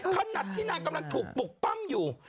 ขนาดที่นางกำลังถูกปลุกปั้มอยู่